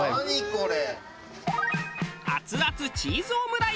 これ。